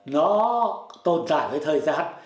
nó tồn tại với thời gian